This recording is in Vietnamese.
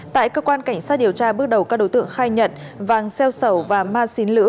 tại cơ quan cảnh sát điều tra bước đầu các đối tượng khai nhận vàng xeo sầu và ma xín lữ